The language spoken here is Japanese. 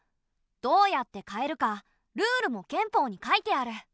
どうやって変えるかルールも憲法に書いてある。